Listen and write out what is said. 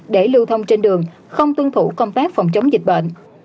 để lưu thông trên đường không tuân thủ công tác phòng chống dịch bệnh